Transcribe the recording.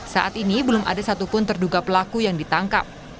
saat ini belum ada satupun terduga pelaku yang ditangkap